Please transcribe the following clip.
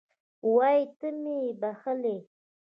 وایي ته مې یې بښلی